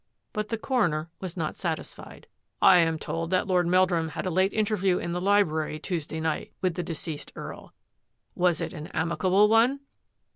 But the coroner was not satisfied. " I am told that Lord Meldrum had a late interview in the library Tuesday night with the deceased Earl. Was it an amicable one?